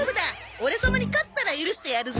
オレ様に勝ったら許してやるぜ。